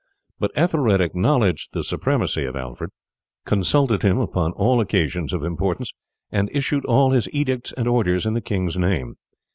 But Ethelred acknowledged the supremacy of Alfred, consulted him upon all occasions of importance, and issued all his edicts and orders in the king's name.